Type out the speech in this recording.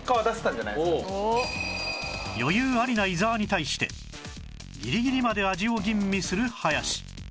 余裕ありな伊沢に対してギリギリまで味を吟味する林